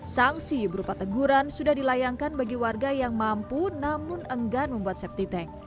sanksi berupa teguran sudah dilayangkan bagi warga yang mampu namun enggan membuat septi tank